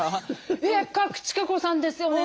「えっ賀来千香子さんですよね？」